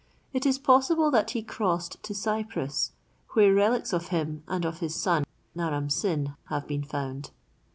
It is possible that he crossed to Cyprus where relics of him, and of his son, Naram Sin, have been found.